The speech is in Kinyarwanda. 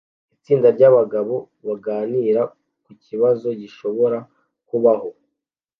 Itsinda ryabagabo baganira kukibazo gishobora kubaho